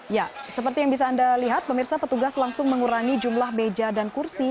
ya seperti yang bisa anda lihat pemirsa petugas langsung mengurangi jumlah meja dan kursi